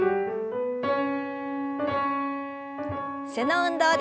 背の運動です。